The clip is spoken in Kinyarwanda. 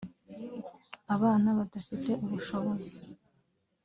abana badafite ubushobozi